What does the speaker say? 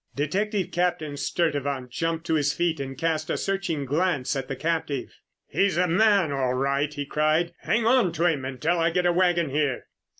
Detective Captain Sturtevant jumped to his feet and cast a searching glance at the captive. "He's the man all right," he cried. "Hang on to him until I get a wagon here!"